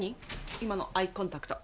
今のアイコンタクト。